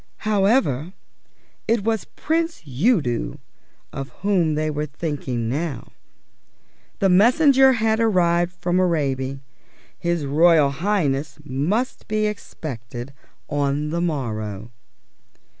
... However, it was Prince Udo of whom they were thinking now. The Messenger had returned from Araby; his Royal Highness must be expected on the morrow.